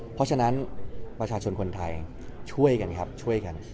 เพราะฉะนั้นประชาชนคนไทยช่วยกันครับช่วยกัน